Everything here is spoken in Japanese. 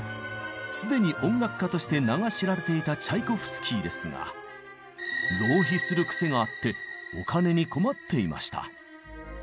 既に音楽家として名が知られていたチャイコフスキーですが浪費する癖があってお金に困っていました。